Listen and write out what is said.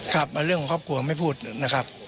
ครับเรื่องของครอบครัวไม่พูดนะครับ